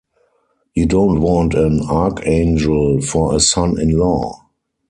You don't want an archangel for a son-in-law.